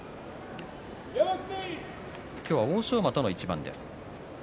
今日は欧勝馬との一番です。